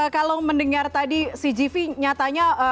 kalau mendengar tadi cgv nyatanya